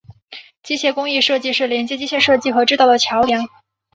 机械工艺设计是连接机械设计和制造的桥梁。